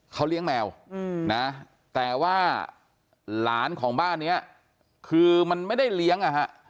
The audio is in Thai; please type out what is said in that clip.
เขาเลี้ยงแมวนะแต่ว่าหลานของบ้านนี้คือมันไม่ได้เลี้ยงนะฮะ